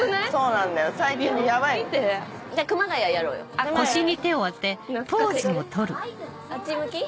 あっち向き？